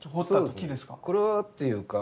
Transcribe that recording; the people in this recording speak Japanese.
これはっていうか